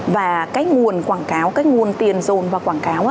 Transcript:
và cái nguồn quảng cáo cái nguồn tiền dồn vào quảng cáo